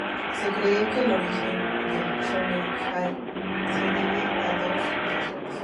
Se cree que el origen del "shōnen-ai" se debe a dos razones.